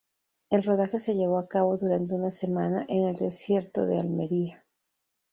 El rodaje se llevó a cabo durante una semana en el desierto de Almería.